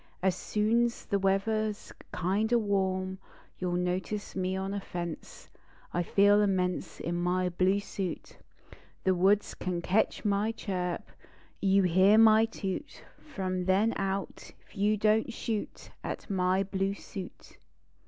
As soon s the weather s kind o warm You ll notice me on a fence. I feel immense In my bine suit. The woods can ketch my chirp ; You hear my toot r rom then out T you don t shoot At my blue suit.